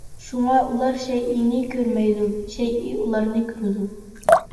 شۇڭا ئۇلار شەيئىنى كۆرمەيدۇ، شەيئى ئۇلارنى كۆرىدۇ.